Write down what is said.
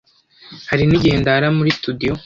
Hari n’igihe ndara muri "studio"